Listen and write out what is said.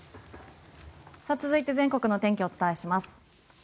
続いて全国のお天気をお伝えします。